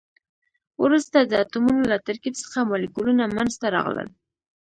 وروسته د اتمونو له ترکیب څخه مالیکولونه منځ ته راغلل.